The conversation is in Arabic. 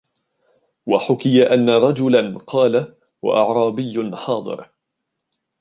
وَحُكِيَ أَنَّ رَجُلًا قَالَ وَأَعْرَابِيٌّ حَاضِرٌ